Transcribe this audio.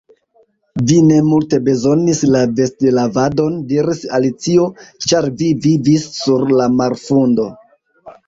"Vi ne multe bezonis la vestlavadon," diris Alicio "ĉar vi vivis sur la marfundo."